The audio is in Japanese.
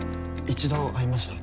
一度会いました。